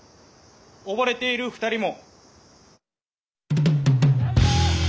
溺れている２人も。